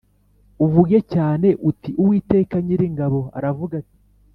uvuge cyane uti Uwiteka Nyiringabo aravuga ati